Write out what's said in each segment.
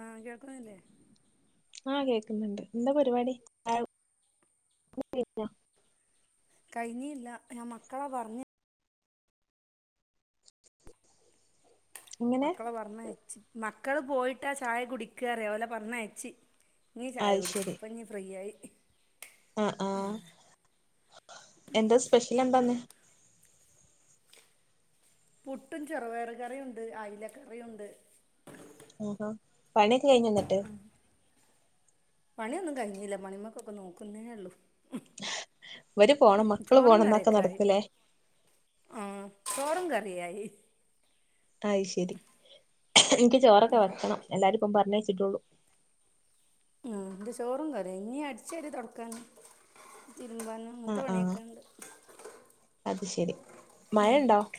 ആഹ് കേൾക്കുന്നില്ലേ ആ കേ ക്ക്ന്ന്ണ്ട് എന്താ പരിപാടി കഴിഞ്ഞീ ഇല്ല ഞാൻ മക്കളെ പറഞ്ഞ് എങ്ങനെ മക്കളെ പറഞ്ഞയച്ചി മക്കള് പോയിട്ടാ ചായ കുടിക്കറേ ഓലെ പറഞ്ഞ അയ്ച്ചി നീ ചായ കുടിച്ച് ഇപ്പ നീ ഫ്രീ ആയി ആ ആഹ് എന്താ സ്പെഷ്യൽ എന്താന്ന് പുട്ടും ചെറുവയറ കറിയുണ്ട് അയിലക്കറിയുണ്ട് ആഹാ പണിയൊക്കെ കഴിഞ്ഞോന്നിട്ട് പണിയൊന്നും കഴിഞ്ഞില്ല പണിമക്കൊക്കെ നോക്കുന്നേ ഉള്ളു ഇവര് പോണം മക്കള് ചോറും പോണം എന്നൊക്കെ കറിയൊക്കെ ആയി നടത്തില്ലേ ആഹ് ചോറും കറിയായി അയ്ശരി എനിക്ക് ചോറൊക്കെ വെക്കണം എല്ലാരും ഇപ്പം പറഞ്ഞയിച്ചിട്ടുള്ളൂ ആ എന്റെ ചോറും കറി ഇനി അടിച്ചാരി തൊടക്കാന് തിരുമ്പാന് അങ്ങനത്തെ ആഹ് ആഹ് പണിയൊക്കെ ഇണ്ട് അത് ശരി മഴയുണ്ടോ ആഹ്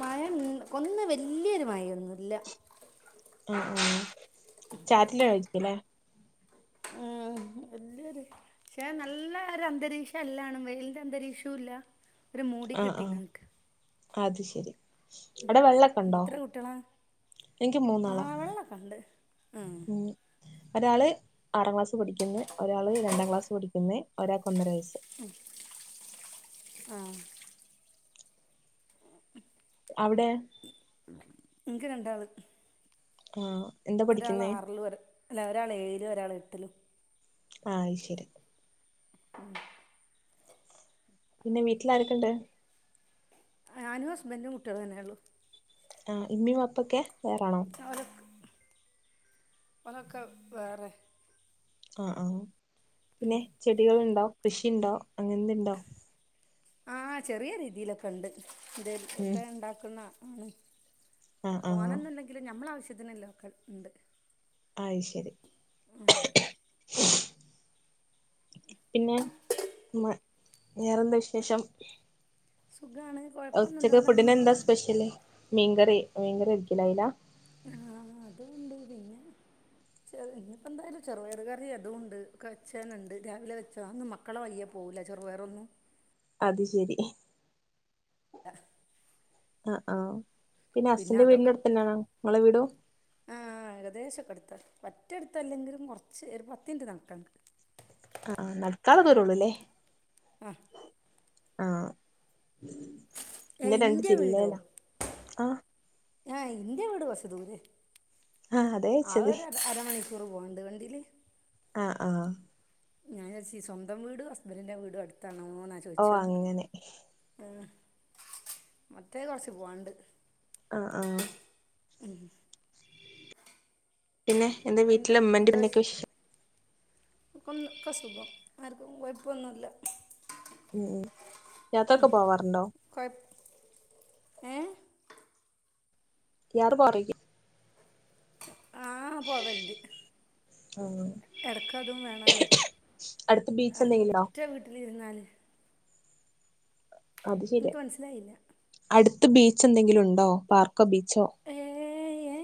മഴ ഇന്ന് കൊന്ന് വല്യോരു മഴൊന്നുംല്ല ആ ആ ചാറ്റലായിരിക്കുലെ ആ വല്യോരു പക്ഷെ നല്ല ഒരു അന്തരീക്ഷം അല്ലാണ് വെയിലിന്റെ അന്തരീക്ഷവും ഇല്ല ഒരു മൂടി ആഹ് കിട്ടി ആഹ് ഇങ്ങനിക്ക അത് ശെരി അവിടെ വെള്ളൊക്കെ ഒണ്ടോ എത്ര കുട്ടികളാ എനിക്ക് ആ മൂന്നാളാ വെള്ളമൊക്കെ ഉണ്ട് ഉം ഒരാള് ആറാം ക്ലാസ്സ് പഠിക്ക്ന്ന് ഒരാള് രണ്ടാം ക്ലാസ്സ് പഠിക്ക്ന്ന് ഒരാക്ക് ഒന്നര വയസ്സ് ആ അവ്ടെയോ? ഇൻക്ക് രണ്ടാള് ആ ഒരാൾ ആറിലും ഒര് അല്ല ഒരാൾ ഏഴിലും ഒരാൾ എട്ടിലും ആ അയ്ശരി ഉം പിന്നെ വീട്ടില് ആരൊക്കെണ്ട് ഞാനും ഹസ്ബന്റും കുട്ട്യാളും തന്നെ ഒള്ളു ആ ഇമ്മിം വാപ്പൊക്കെ വേറാണോ ഓരൊക്കെ വേറെ ആ ആ പിന്നെ ചെടികള്ണ്ടോ കൃഷിണ്ടോ അങ്ങനെന്തെണ്ടോ ആ ചെറിയ രീതിയിലൊക്കെണ്ട് ഇത് ഉം ഒക്കെ ഇണ്ടാക്ക്ണ ആണ് ആഹ് ആഹ് തോനെഒന്ന്ല്ലെങ്കിലും ഞമ്മളാവശ്യത്തിന് ഇള്ളെ ഒക്കെ ഇണ്ട് അയ് ശരി പിന്നെ മ് വേറെന്താ വിശേഷം സുഖമാണ് ഉച്ചക്ക് കുഴപ്പമൊന്നുമില്ലാതെ അങ്ങനെ ഫുഡിനെന്താ പോണ് സ്പെഷ്യല് മീൻകറി മീൻകറി ഒരിക്കലാവൂല ആഹ് ച്ചെറ് ഇന്ന്പ്പെന്തായാലും ചെറുപയറ് കറി അതുംണ്ട് ഒക്കെ വെച്ചതന്നെണ്ട് രാവിലെ വെച്ചതാ അതൊന്നും മക്കളെ വഴിയെ പോവൂ ല ചെറുപയറൊന്നും അത് ശരി ആ അ ആ പിന്നെ അച്ഛന്റെ വീടിന്റെ അതൊക്കെ അട്ത്തന്നാണോ ഇങ്ങളെ വീട് പറ്റേട്ത്തല്ലെങ്കിലും കൊർച്ച് ഒരു പത്തിൻറ്റ് നടക്കാണ്ട് ആഹ് നടക്കാനൊള്ള ദൂര ഒള്ളൂല്ലെ ആ ആ ഇന്റെ രണ്ട് ജില്ലേലാ ആഹ് ആ ഇന്റെ വീട് കൊർച്ച് ദൂരെ ആഹ് അതാ ചോയിച്ചത് അതൊര് അരമണികൂർ ക്കൂറ് പോവാണ്ട് വണ്ടീല് ആ ആ ഞാൻ വിചാര്ച്ച് സ്വന്തം വീട് ഹസ്ബന്റിന്റെ വീട് അട്ത്താന്ന് ത്താണോന്ന ഓഹ് ചോയ്ച്ചത് ന്ന് അങ്ങനെ ഏ മറ്റേത് കൊർച്ച് പോവാണ്ട് അ ആ ഉം പിന്നെ എന്താ വീട്ടിലെ ഇമ്മന്റിം ഇപ്പന്റിം ഒക്കെ വിശേഷം ഒന്നും ഒക്കെ സുഖം ആർക്കും കൊഴപ്പൊന്നുല്ല ഉം യാത്രൊക്കെ പോവാറുണ്ടോ കുഴപ്പ ഏ [unintelligible] ആ പോവൽണ്ട് ഉം എടക്ക് അതും വേണല്ലോ അടുത്ത് ബീച്ച് എന്തെങ്കിലുണ്ടോ പറ്റെ വീട്ടിലിര്ന്നാലെയ് ഇൻക്ക് മൻസിലായില്ല ട്ത്ത് ബീച്ച് എന്തെങ്കിലും ഉണ്ടോ പാർക്ക് ഏ ഏ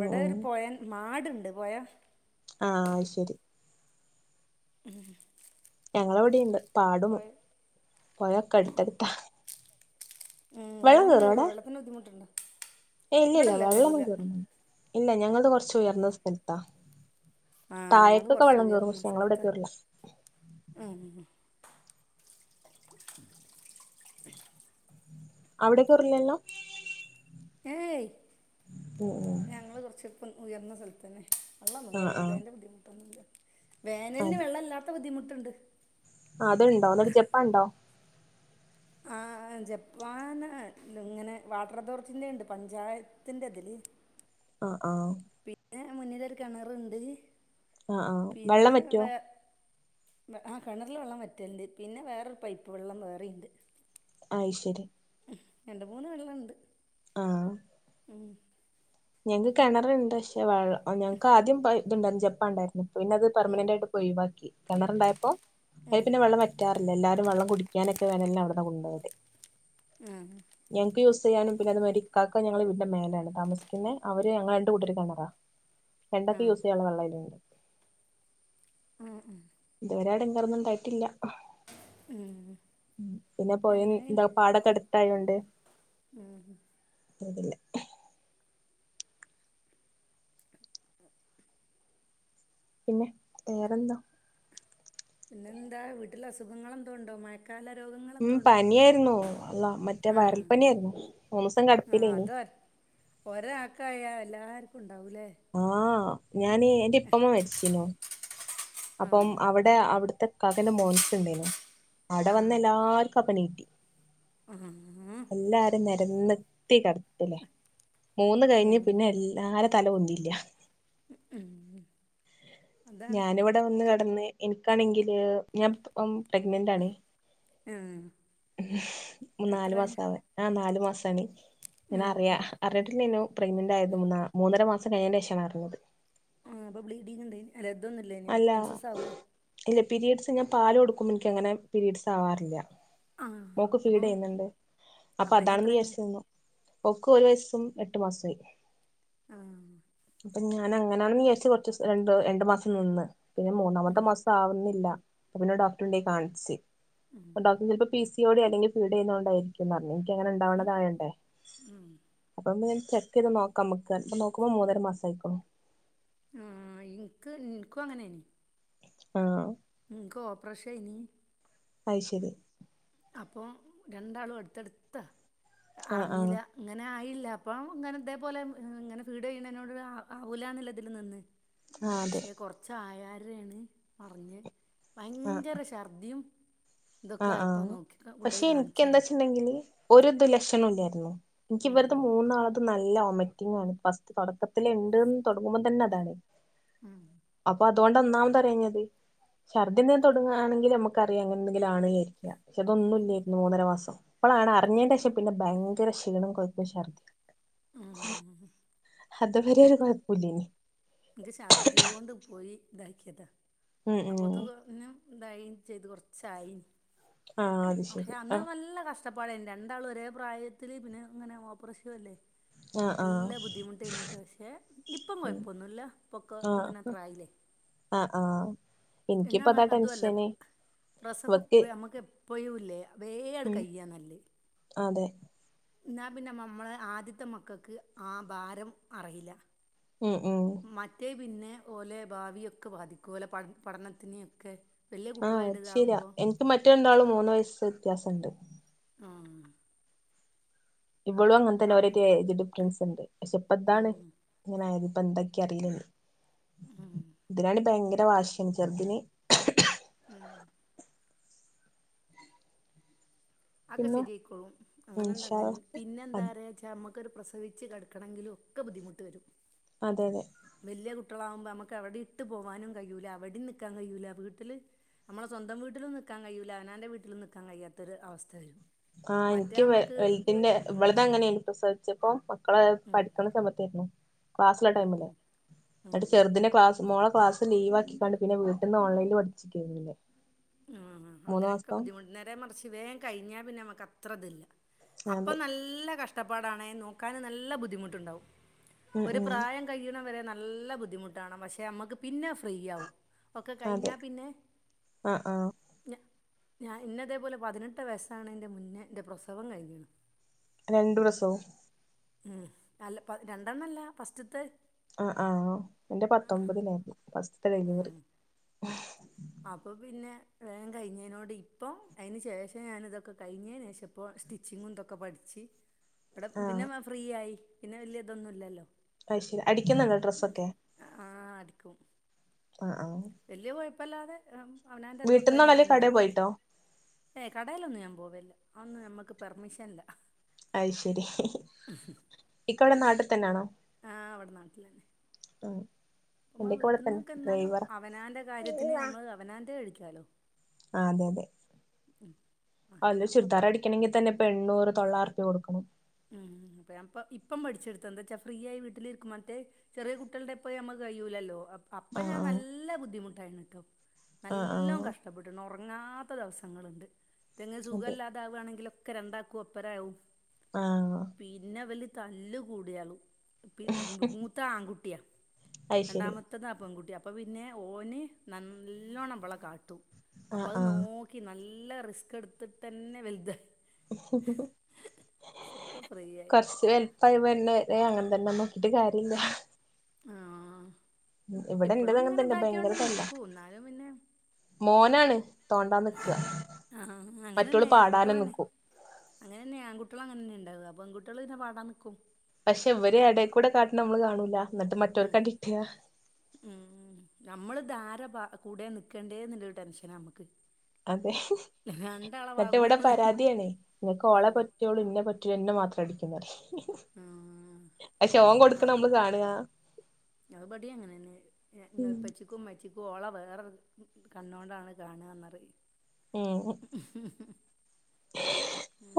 ഉം ഉം ഒരു പൊഴെന്നെ ആട്ണ്ട് പൊഴ ആ ശരി ഉം ഞങ്ങളെ എവിടെ ഇണ്ട് പാടും, പോയൊക്കെ അടുത്തടുത്താ. ഉം വെള്ളം കേറോ കയറുമോ ടെ, വെള്ളത്തിന് ബുദ്ധിമുട്ടുണ്ടോ ഏ ഇല്ലില്ല ഇവിടെല്ല വെള്ളൊന്നും കയറൂല കേർല്ല ഞങ്ങള് കൊറച്ച് ഉയർന്ന സ്ഥലത്താ ആ, ഞങ്ങള് താഴേക്കൊക്കെ കൊറച്ച വെള്ളം കേറും ഉയർന്ന പക്ഷെ ഞങ്ങളവിടെ സ്ഥലത്താ, കേറില്ല ഉം [unintelligible] അവിടെ കേർല്ലല്ലോ. ഏയ്, ഉം ഞങ്ങള് കൊറച്ച് അൽപ്പം ഉയർന്ന സ്ഥലത്ത വള്ളൊന്നും ആഹ് കയറൂല്ല ആഹ് അതിന്റെ ബുദ്ധിമുട്ടൊന്നുമില്ല. വേനലിന് വെള്ളം ഇല്ലാത്ത ബുദ്ധിമുട്ടുണ്ട്. അത്ണ്ടോ ന്നിട്ട് ജപ്പാൻ ഉണ്ടോ ഉം ആ ജപ്പാൻ ഇങ്ങനെ വാട്ടർ അതോറിറ്റീന്റെറെ ഉണ്ട് പഞ്ചായത്തിന്റെ അതില് ആ, ആ മുന്നില് ഒരു കിണറുണ്ട് ആ, ആ, വെള്ളം പിന്നെ വറ്റോ വേ ആ കിണറില് വെള്ളം വറ്റലണ്ട്, പിന്നെ വേറൊരു പൈപ്പ് വെള്ളം വേറെയുണ്ട്. അത് ശരി രണ്ട് മൂന്ന് വെള്ളം ഉണ്ട് ആ ഉം ഞങ്ങക്ക് കിണറുണ്ട് പക്ഷേ വെള്ള ഞൾക്ക് ആദ്യം ഇതുണ്ടായിരുന്നു ജപ്പാൻ ഉണ്ടായിരുന്നു പിന്നെ അത് പെർമനന്റായിട്ട് പ്പോ ഓയ് വാക്കി, കിണർ ഉണ്ടായപ്പോ അയ് പിന്നെ വെള്ളം വറ്റാറില്ല എല്ലാരും വെള്ളം കുടിക്കാനൊക്കെ വേനലിന് അവിടെന്ന് കൊണ്ട പോകല് ഉ ചെയ്യാനും പിന്നെ അത്‌ മാതിരി ഇക്കാക്ക ഞങ്ങൾ വീടിന്റെ മേലാണ് താമസിക്കുന്ന, അവര് ഞങ്ങൾക്ക് രണ്ടുകൂട്ടര് ക്കൊള്ള കിണറാ. ആ രണ്ടുപേർക്കും യൂസ് ചെയ്യാനുള്ള വെള്ള അതിൽ ഉണ്ട് ഉം ഒരാട്ങേറൊന്നും ഉണ്ടായിട്ടില്ല ഉം പിന്നെ പോയിം ന്ത പാടൊക്കെ അടുത്ത് ത്തായൊണ്ടേയ് ഉം [unintelligible] പിന്നെ വേറെന്താ പിന്നെ എന്താ വീട്ടില് അസുഖങ്ങൾ എന്തോ ഉണ്ടോ മാ മഴകാല രോഗങ്ങൾ ഉം എന്തോ ഉണ്ടോ, പനിയായിരുന്നു അള്ളാ മറ്റേ ആ വയറൽ പനിയായിരുന്നു മൂന്ന് ദിവസം ആ കിടപ്പിലേനി അതോ ഒരാക്കായ എല്ലാർക്കുണ്ട് ആ, ഞാന് എന്റെ ഇപ്പമ്മ മരിച്ചിനോ ആ അപ്പം അവിടെ അവിടുത്തെ ഇക്കാകന്റെ മോനക്ക് ഇണ്ടേനു ആടെ വന്ന എല്ലാർക്കും കപ്പനീട്ടി ആഹ് [unintelligible] കടത്തില്ലേ, മൂന്ന് കഴിഞ്ഞ് ഉം പിന്നെ എല്ലാരും തല പൊന്തില്ല ഉം ഞാനിവിടെ വന്ന് കെടന്ന് എനിക്കാണെങ്കില് ഞാൻ പ്രഗ്നന്റ് ആാണ് ആ എത്ര മൂന്നാല് മാസാവാ, ആ നാലു മാസാണെ ഞാൻ ഉം അറിയ അറിയട്ടില്ലേനു പ്രഗ്നന്റ് ആയത്, മൂന്നാ മൂന്നര മാസം കഴിഞ്ഞേന് ശേഷാണ് അറിഞ്ഞത് ആ, അപ്പൊ ബ്ലീഡിങ് ഇണ്ട് അല്ല ഇതൊന്നും ഇല്ലെനോ അല്ല മെൻസസ് ആവോ ഇല്ല പീരീഡ്സ് ഞാൻ പാല് കൊടുക്കുമ്പ എനിക്കങ്ങനെ പീരീഡ്സ് ആവാറില്ല. ആഹ് മോക്ക് ഫീഡ് അപ്പം ചെയ്യുന്നിണ്ട് അപ്പൊ അപ്പം അതാണെന്ന് അയിനെത്രയാണ് വിചാരിച്ചു നിന്നു ഓക്ക് ഒരു വയസും എട്ടു മാസായി ആഹ് ആപ്പോ ഞാ ഞാൻ അങ്ങനെയാണെന്ന് വിചാരിച്ചു കൊറച്ച് രണ്ട് രണ്ടു മാസം നിന്ന് പിന്നെ മൂന്നാമത്തെ ഉം മാസം ആവുന്നില്ല. പ്പൊപിന്നെ, ഡോക്ടർണ്ടോയി, കാണിച്ച്, ഉം [unintelligible] പിസിഒടി അല്ലെങ്കി, ഫീടെയുന്നുണ്ടായിരിക്കുംന്നറഞ്ഞു, നിക്കങ്ങനെ, ണ്ടാവ്ണതായൊണ്ടേയ്, ഉം അപ്പൊ ചെക്ക് ചെയ്ത് നോക്കാ മ്മക്ക് ഇപ്പ നോക്കുമ്പോ മൂന്നര മാസം ആയിക്കിണ് ആ ഇൻക്ക് ഇൻക്കും അങ്ങനായ്ന് ആ ൻക്കോപ്രേശായിന് അത് ശരി അപ്പൊ രണ്ടാളും അടുത്തടുത്ത, ആഹ് ആഹ് അറിഞ്ഞിലാ, അങ്ങനെ ആയി ല്ലെ, അപ്പം ഇങ്ങനെ ഇതേപോലെ ഇങ്ങനെ [unintelligible] ആവൂലാന്നിള്ള തില് നിന്ന് ആഹ് അതെ പക്ഷെ കൊറച്ച ആായാരാണ് പറഞ്ഞ് ഭയങ്കര ശർദിയും ആ ആ പക്ഷെ എനിക്ക് കാണിച്ചതാ എന്താച്ച്ണ്ടെങ്കില് ഒരിദും ലക്ഷണൊല്ലായിരുന്നു. ഉം ഇൻക്കിവരത് മൂന്നാളതും നല്ല നല്ല ഒമിറ്റിങ്ങാണ് ഫസ്റ്റ് തുടക്കത്തിലിണ്ട്ന്ന് തൊടങ്ങുമ്പോ, തന്നെ അതാണ് ആ അപ്പൊ അതുകൊണ്ട് ഒന്നാമത്, അറിയാഞ്ഞത് ശർദി തുടങ്ങുകയാണെങ്കി നമുക്കറിയാ ലാണരിക്ക പക്ഷെ അതൊന്നുംല്ലായിരുന്നു മൂന്നര മാസം, ഇപ്പോളാണ് അറിഞ്ഞെന്റെശേഷം പിന്നെ ഭയങ്കര ക്ഷീണം [unintelligible] ഉം അത് വരെ ഒരു കൊഴപ്പില്ലേനു ഇൻക്ക് ശർദ്ധിയോണ്ട് പോയി ഇതാക്കിയത ഉം ഉം അപ്പൊതക്കും ന്തായി ചെയ്ത് കൊറച്ചായി ആഹ് അത് പക്ഷെ ശരി അന്ന് ആഹ് നല്ല കഷ കഷ്ടപ്പാട രണ്ടാളും ഒരേ പ്രായത്തില് പിന്നെ ങ്ങനെ ഓപ്പറേഷനും അല്ലേ. ആഹ് എല്ലാ ആഹ് ബുദ്ധിമുട്ടേയ്ഞ്ഞിട്ടൊ ഷെ ഇപ്പം കൊയപ്പൊന്നുല്ല. ആ ഹ് ആ ആ. എന്നാ അതുഅല്ല പ് പ്രസവം ഇവക്ക് നമ്മുക്ക് എപ്പയും ഇല്ലെ ഉം വേയട്കയ്യനല്ലെ അതെ ന്നാ പിന്നെ മമ്മളെ ആദ്യത്തെ മക്കക്ക് ആ ഭാരം അറീല്ല. ഉം ഉം മറ്റേ പിന്നെ ഓലെ ഭാവിയൊക്കെ ബാധിക്കും ഓലെ പഠനത്തിനെയൊക്കെ വലിയ ആഹ കുട്ടികളായിട്ട് ശരിയാ ഇതാകുമ്പോൾ എനിക്ക് മറ്റേണ്ടാളും മൂന്നയസ് വ്യത്യാസുണ്ട്. ആ ഇവളും അങ്ങനെ ആ തന്നെ ഓറേറ്റ് ഏജ് ഡിഫറൻസ്ണ്ട് പക്ഷെപ്പ ഇതാണ് ഉം ഇങ്ങനായത് ഇപ്പ ന്തൊക്കെ അറിയില്ലന്ന് ഉം ഇതിനാണ് ഭയങ്കര വാശി ചെറുതിന് ഉം അക്കെ, പിന്നെ സെരിയയിക്കോളും, അങ്ങനെണ്ട ഇൻഷാ അല്ലാഹ് പിന്നെന്താ അത് പറയച്ചമ്മക്ക് പ്രസവിച്ച് കെടക്കണെങ്കിലും ഒക്കെ ബുദ്ധിമുട്ട് വരും. അതെ, അതെ. വീട്ടിലകുമ്പോ, നമ്മക്ക്, വെടെ ഇട്ട് പോകാനും കയൂല അവിടെമ് നിക്കാനും കയ്യൂല വീട്ടില് നമ്മള സ്വന്തം വീട്ടിലും നിക്കാൻ കയ്യൂല അവനാന്റെ വീട്ടിലും നിക്കാൻ കയത്തൊരുസ്ഥ ആഹ്, എനിക്ക് ഇപ്പ- വെൽതിന്റെ ഉം ഇവളതങ്ങനെ എനി പ്രസദിച്ചപ്പോ മക്കളെ, ഉം പഠിക്കണ സമയത്തായിരുന്നു, ക്ലാസ്സള്ള ഉം ടൈമില് എന്നിട്ട് ഉം ചെറുതിന്റെ ക്ലാസ് മോള ക്ലാസ് ലീവ് ആക്കിക്കാണ്ട് പിന്നെവീട്ടന്ന് ഓൺലൈൽ പഠിച്ചിക്കിരുന്നില്ലേ ആ, അങ്ങനെയൊക്കെ ബുദ്ധിമുട്ട് നേരെ മറച്ച് വേൻ, കഴിഞ്ഞാ പിന്നെ മ്മക്ക് അത്ര ഇതില്ല. അപ്പ അതെ നല്ല കഷ്ടപ്പാടണ നോക്കാന് നല്ല ബുദ്ധിമുട്ടുണ്ടാവും ഉം ഒരു, ഉം പ്രായം കഴിയണം വരെ നല്ല ബുദ്ധിമുട്ടാണ് പക്ഷെ നമ്മക്ക് പിന്നെ ഫ്രീയാവും ഒക്കെ കഴിഞ്ഞ അതെ പിന്നെ ആഹ് ആഹ് ഞാൻ, ഇന്നതേപോലെ പതിനെട്ട് വയസ്സാണ് എൻന്റെ മുന്നേ ന്റെ പ്രസവം കഴിഞ്ഞിണ്. രണ്ട്, പ്രസവും ഉം, അല്ല രണ്ടെണ്ണംല്ല ഫസ്റ്റത്തെ ആ, ആഹ എന്റെ, പത്തൊമ്പതിലായിരുന്നു, ഫസ്റ്റ്, ഉം ഡെലിവറി. അപ്പൊ, പിന്നെ, ൻ, കഴിഞ്ഞതിനോട്, ഇപ്പൊ, അതിനന്, ശേഷം, ഞാൻ, ഇതൊക്കെ, കഴിഞ്ഞേനെഷപ്പോ സ്റ്റിച്ചിങ്ങുംന്തൊക്കെ, പഠിച്ച്, ഇവിടെ ആഹ് പിന്നെ, ഫ്രീ ആയി, പിന്നെ വലിയ, ഇതൊന്നുല്ലല്ലോ അയ്ശരി, അടിക്കുന്നുല്ലോ, ഡ്രസ്സൊക്കെ ക്കും ആ, ആഹ്. അപ്പംല്ലാതെ അവനാൻ്റെ ഇതൊക്കെ വീട്ടിൽന്നാണോ ഞാൻ അല്ലേ തന്നെ കടേ എടുക്കരുത് പോയിട്ടോ ഏയ് കടയിലൊന്നും ഞാൻ പോകും ഒന്നന്ന് ഞമ്മുക്ക് പെർമിഷൻല്ല അത് ശരി ഇക്ക അവിടെ നാട്ടിൽ തന്നൊണോ ആഹ അവിടെ നാട്ടില തന്നെ ആഹ് ഇപ്പമ്മ എന്റെക്ക ഇവിടെ വീട്ടിൽ തന്നെ നിന്നൊക്കെ എന്നാലോ ഡ്രൈവറാ അവനാന്റെ കാര്യത്തിന് നമ്മള് അവനാന്റെ കഴിക്കാലോ ആ അതെ അതെ അല്ല ആ ചുരിദാർ അപ്പം അടിക്കണമെങ്കിൽ തന്നെ ഇപ്പൊ എണ്ണൂറ് തൊള്ളാർ കൊടുക്കണം ഉം അപ്പം ഇപ്പം പഠിച്ചെടുത്ത എന്താ വച്ചാ ഫ്രീ ആയി വീട്ടിലിരിക്കും മറ്റേ ചെറിയ കുട്ടികളുടെപ്പോ നമുക്ക് കയ്യൂലല്ലോ അപ്പൊ ഞൻ ആഹ് നല്ല ബുദ്ധിമുട്ടായി ട്ടോ ആഹ് ആഹ് നല്ല ആഹ് കഷ്ടപ്പെട്ട റങ്ങാത്ത ദിവസങ്ങളുണ്ട്. ഇതിന്റെ ങ്ങക്ക് അതെ സുഖല്ലാതകുകയാണെങ്കിൽ ഒക്കെ രണ്ടാക്കും ഒപ്പരകവും ആഹ് പിന്നെ വല് തല്ല് കൂടിയളു പി മൂത്ത ആൺകുട്ടിയാ അയ്ശരി രണ്ടാമത്തത് പെൺകുട്ടിയ അപ്പ പിന്നെ ഓന് നല്ലോണംഇവളെ കാട്ടു അപ്പ ആഹ് അത് ആഹ് നോക്കി ന നല്ല റിസ്ക് എടുത്തിട്ട് തന്നെ വലുത ഇപ്പൊ ഫ്രീ ആയി കൊറച്ച് വലുപ്പമായി വര്ണ അത അങ്ങനെ തന്നെ നോക്കിട്ട് കാര്യമില്ല ആഹ് ഇവിടെ എന്റത് ഇപ്പളും അങ്ങനെ ഇങ്ങനെ തന്നെ ഇതാക്കിയോണ്ട് ഭയങ്കര തല്ലാ നിക്കൂ എന്നാലും പിന്നെ മോനാണ് തോണ്ടാൻ നിക്ക ആഹ അങ്ങനെ മറ്റോള് തന്നെ ആണ്കുട്ടികൾ പാടാനും തന്നെ നിക്കും അങ്ങനെന്നെ ആണ് കുട്ടികള അങ്ങനന്ന ഇണ്ടാവുക പെങ്കുട്ടികൾ ഇങ്ങെ പാടാനിക്കും പക്ഷെ ഇവരെ ഇടക്കൂടെ കാട്ടണ നമ്മള് കാണൂല എന്നിട്ട് ഉം മറ്റവർക്കടിട്ടയാ [unintelligible] കൂട നിൽക്കേണ്ടേന്നുള്ളരു ടെൻഷന നമുക്ക് അതെ എന്നിട്ട് ഭാഗവും ഇവിടെ പരാതിയണേ ഇങ്ങക്ക് ഓളെ ആഹ് പറ്റുള്ളു ഇന്നെ പറ്റ ന്നെ മാത്രം അടിക്കുള്ളൂ പറി. ആഹ് പക്ഷെ ഓൻ കൊടുക്കുന്ന നമ്മള് കാണ അ ബാട്യ അങ്ങനെന്നെ ഇപ്പച്ചിക്കും ഇമ്മച്ചിക്കും ഓള വേറെ കണ്ണോണ്ടാണ് കാണുകന്നറി ഉം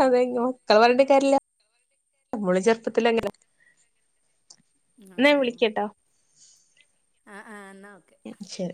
അതെ മക്കള് പറഞ്ഞണ്ട കാര്ല്ല നമ്മള ചെറുപ്പത്തിലങ്ങ എന്നാ വിളിക്കട്ടോ ആഹ ആഹ എന്നാ ഓക്കെ. ശരി